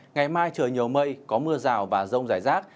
ngày mai trời nhiều mây có mưa rào và rông rải rác